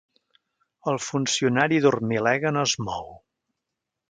El funcionari dormilega no es mou.